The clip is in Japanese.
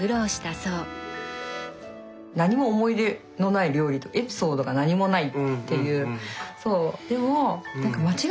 何も思い入れのない料理エピソードが何もないっていう。